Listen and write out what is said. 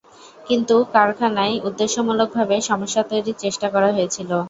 কিছু কারখানায় উদ্দেশ্যমূলকভাবে সমস্যা তৈরির চেষ্টা করা হয়েছিল।